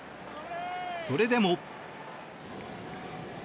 それでも。